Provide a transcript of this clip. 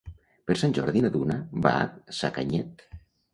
Per Sant Jordi na Duna va a Sacanyet.